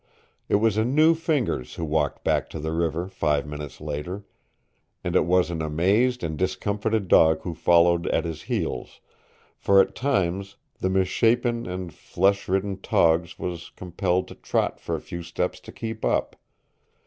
It was a new Fingers who walked back to the river five minutes later, and it was an amazed and discomfited dog who followed at his heels, for at times the misshapen and flesh ridden Togs was compelled to trot for a few steps to keep up.